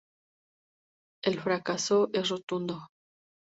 El fracaso es rotundo.